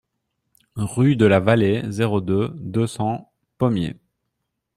Rue de la Vallée, zéro deux, deux cents Pommiers